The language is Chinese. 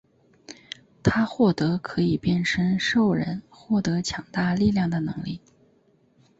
他获得可以变身兽人获得强大力量的能力。